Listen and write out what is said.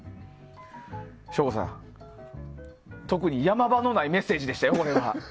省吾さん、特に山場のないメッセージでしたよ。